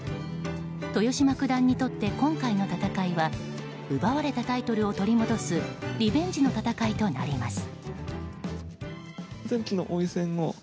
豊島九段にとって今回の戦いは奪われたタイトルを取り戻すリベンジの戦いとなります。